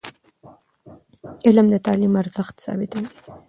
علم د تعلیم ارزښت ثابتوي.